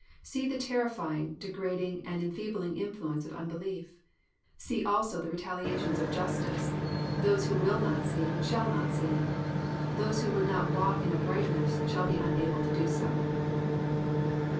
See the terrifying, degrading, and enfeebling influence of unbelief. See also the retaliations of justice : those who will not see shall not see ; those who would not walk in uprightness shall be unable to do so.